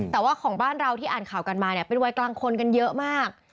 แต่ว่าของบ้านเราที่อ่านข่าวกันมาเนี่ยเป็นวัยกลางคนกันเยอะมาก